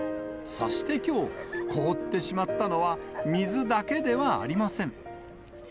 そしてきょう、凍ってしまったのは水だけではありません。